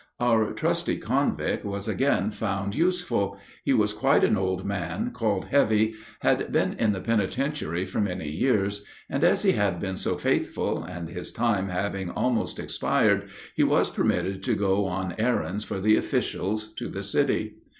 Our trusty convict was again found useful. He was quite an old man, called Heavy, had been in the penitentiary for many years, and as he had been so faithful, and his time having almost expired, he was permitted to go on errands for the officials to the city.